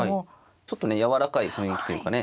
ちょっとねやわらかい雰囲気というかね